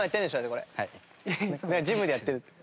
ジムでやってるって。